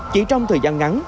chỉ trong thời gian ngắn